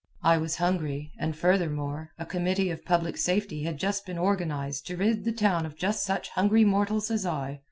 I was hungry, and, furthermore, a committee of public safety had just been organized to rid the town of just such hungry mortals as I.